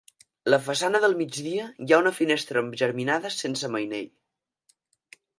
La façana del migdia hi ha una finestra geminada sense mainell.